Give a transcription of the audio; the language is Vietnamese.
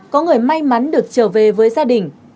có người may mắn được trở về với gia đình